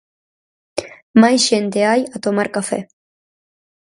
Máis xente hai a tomar café.